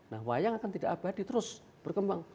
nah wayang akan tidak abadi terus berkembang